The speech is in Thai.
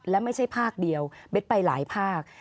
และไม่ใช่ภาคเดียวเบ็ดไปหลายภาค